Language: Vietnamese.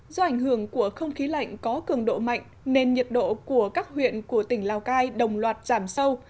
do ảnh hưởng của không khí lạnh có cường độ mạnh nên nhiệt độ của các huyện của tỉnh lào cai đồng loạt giảm sâu